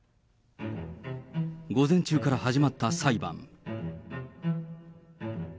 午前中から始まった裁判。